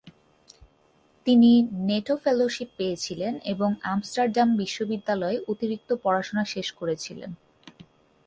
তিনি NATO fellowship পেয়েছিলেন এবং আমস্টারডাম বিশ্ববিদ্যালয়ে অতিরিক্ত পড়াশোনা শেষ করেছিলেন।